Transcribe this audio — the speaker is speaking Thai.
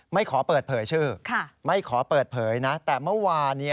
ไม่ขอเปิดเผยชื่อไม่ขอเปิดเผยนะแต่เมื่อวาน